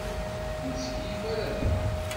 Ur ttkeyyif ara da.